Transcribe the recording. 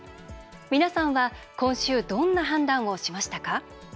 皆さんは今週どんな判断をしましたか？